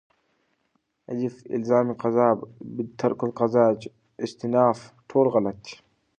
الف: الزام قضا ب: باالترک قضا ج: استیناف د: ټول غلط دي